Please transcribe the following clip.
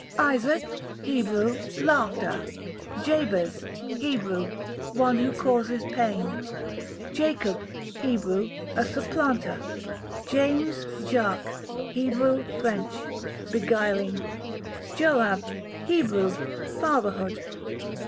Isaac, Hebrew, laughter. Jabez, Hebrew, one who causes pain. Jacob, Hebrew, a supplanter. James or Jacques, beguiling. Joab, Hebrew, fatherhood.